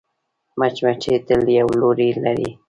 مچمچۍ تل یو لوری لري